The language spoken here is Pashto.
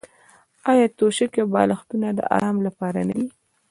آیا توشکې او بالښتونه د ارام لپاره نه دي؟